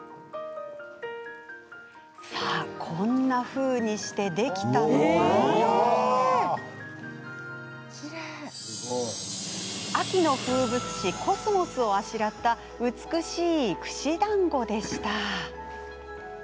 さあ、こんなふうにしてできたのは秋の風物詩、コスモスをあしらった美しい串だんごでした。